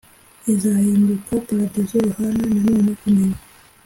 izahinduka paradizo yohana nanone kumenya